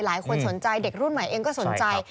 หลายคนสนใจเด็กรุ่นใหม่เองก็สนใจ